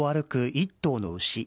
１頭の牛。